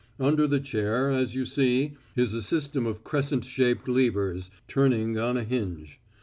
Under the chair, as you see, is a system of crescent shaped levers turning on a hinge.